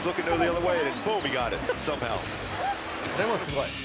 でもすごい。